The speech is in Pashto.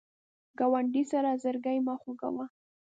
ګاونډي سره زړګی مه خوږوه